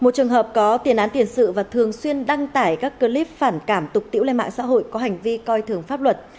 một trường hợp có tiền án tiền sự và thường xuyên đăng tải các clip phản cảm tục tiễu lên mạng xã hội có hành vi coi thường pháp luật